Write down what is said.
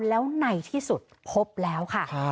แล้วในที่สุดพบแล้วค่ะ